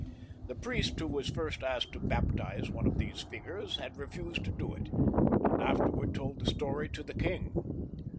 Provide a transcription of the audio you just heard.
The priest who was first asked to baptize one of these figures had refused to do it, and afterwards told the story to the king.